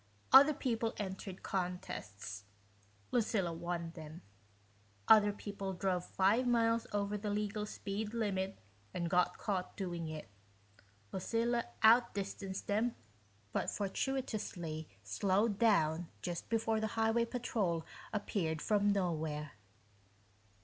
Other people entered contests Lucilla won them. Other people drove five miles over the legal speed limit and got caught doing it Lucilla out distanced them, but fortuitously slowed down just before the highway patrol appeared from nowhere.